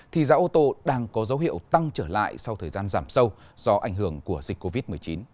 thì giá ô tô đang có dấu hiệu tăng trở lại sau thời gian giảm sâu do ảnh hưởng của dịch covid một mươi chín